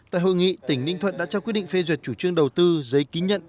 tại hội nghị tỉnh ninh thuận đã trao quyết định phê duyệt chủ trương đầu tư giấy ký nhận